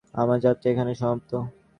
আমার যাত্রা এখানেই সমাপ্ত।